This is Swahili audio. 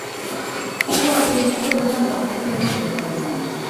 kuwa asilimia ndogo hasa kufikia mwisho wa karne